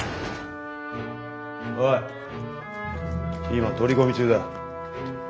今取り込み中だ。